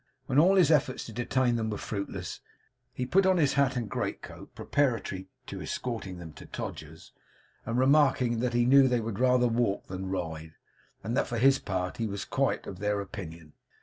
When all his efforts to detain them were fruitless, he put on his hat and greatcoat preparatory to escorting them to Todgers's; remarking that he knew they would rather walk thither than ride; and that for his part he was quite of their opinion.